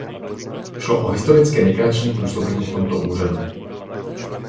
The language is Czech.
Šlo o historicky nejkratší působení v tomto úřadu.